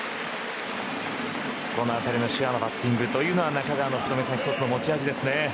このあたりシェアなバッティングというのは中川の一つの持ち味ですね。